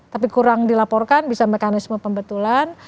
tapi kurang dilaporkan bisa mekanisme pembetulan